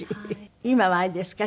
今はあれですか？